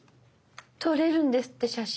撮れるんですって写真。